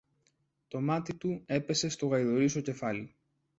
Το μάτι του έπεσε στο γαϊδουρίσιο κεφάλι.